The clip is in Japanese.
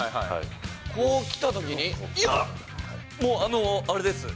こう来たときに、もう、あれです。